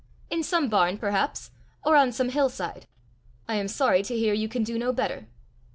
"In some barn perhaps, or on some hill side." "I am sorry to hear you can do no better."